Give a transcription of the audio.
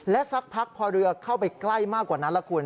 สักพักพอเรือเข้าไปใกล้มากกว่านั้นแล้วคุณ